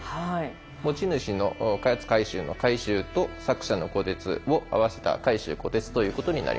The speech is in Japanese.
持ち主の勝海舟の海舟と作者の虎徹を合わせた海舟虎徹ということになります。